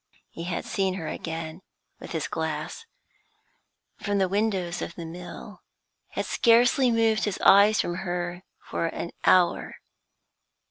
He had seen her again, with his glass, from the windows of the mill, had scarcely moved his eyes from her for an hour.